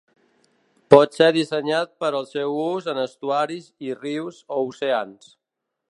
Pot ser dissenyat per al seu ús en estuaris i rius o oceans.